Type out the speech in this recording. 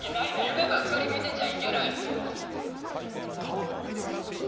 夢ばっかり見てちゃいけない！